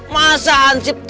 masa hansip takut